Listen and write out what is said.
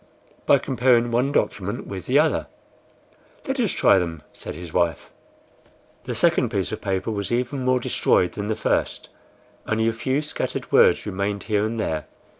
"By comparing one document with the other." "Let us try them," said his wife. The second piece of paper was even more destroyed than the first; only a few scattered words remained here and there.